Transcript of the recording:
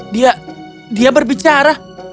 dia dia berbicara